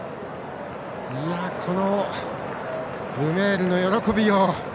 このルメールの喜びよう。